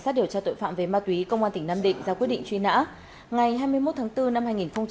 sát điều tra tội phạm về ma túy công an tỉnh nam định ra quyết định truy nã ngày hai mươi một tháng bốn năm